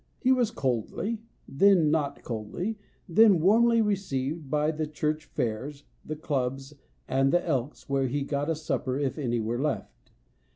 He was coldly, then not coldly, then warmly received by the church fairs, the clubs, and the Klks, where he got a supper if any were left.